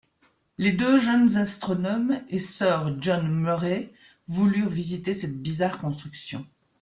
Les deux jeunes astronomes et sir John Murray voulurent visiter cette bizarre construction.